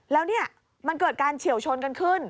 แล้วเนี่ยมันเกิดการเฉียวชนกันขึ้น